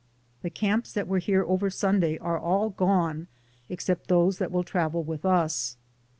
The camps that were here over Sunday are all gone except those that will travel with us.